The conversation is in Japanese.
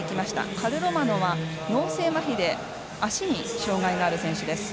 カルロマノは脳性まひで足に障がいがある選手です。